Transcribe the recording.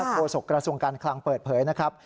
โศกระทรวงการคลังเปิดเผยนะครับ